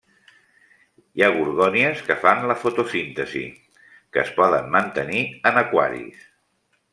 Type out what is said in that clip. Hi ha gorgònies que fan la fotosíntesi, que es poden mantenir en aquaris.